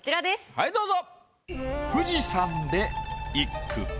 はいどうぞ。